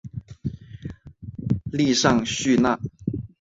利尚叙纳。